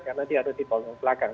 karena dia ada di panggung belakang